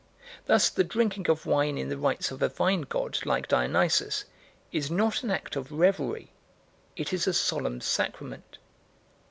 Thus the drinking of wine in the rites of a vine god like Dionysus is not an act of revelry, it is a solemn sacrament.